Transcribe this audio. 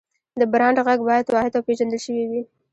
د برانډ غږ باید واحد او پېژندل شوی وي.